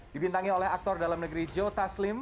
dibintangi oleh aktor dalam negeri joe taslim